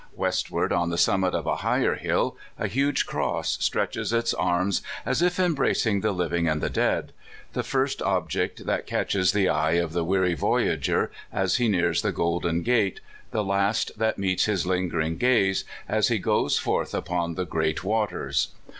Westward, on the summit of a higher hill, a huge cross stretches its arms as if embracing the living and the dead the first object that catches the eye of the weary voyager as he nears the Golden Gate, the last that meets his lingering gaze as he goes forth upon the great waters.